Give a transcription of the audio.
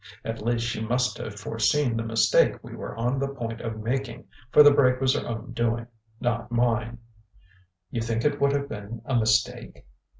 At least, she must have foreseen the mistake we were on the point of making, for the break was her own doing not mine." "You think it would have been a mistake?"